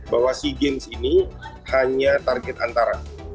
bahwa sea games ini hanya target antara